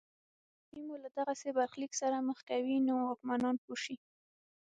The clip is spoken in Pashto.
که ناپوهي مو له دغسې برخلیک سره مخ کوي نو واکمنان پوه شي.